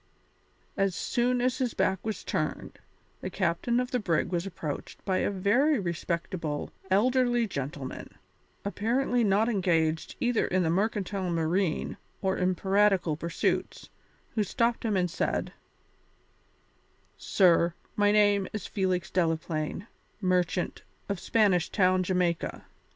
As soon as his back was turned, the captain of the brig was approached by a very respectable elderly gentleman, apparently not engaged either in the mercantile marine or in piratical pursuits, who stopped him and said: "Sir, my name is Felix Delaplaine, merchant, of Spanish Town, Jamaica.